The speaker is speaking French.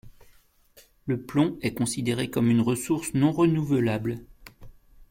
Le plomb est considéré comme une ressource non renouvelable.